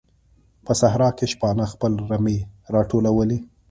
په صحراء کې شپانه خپل رمې راټولوي.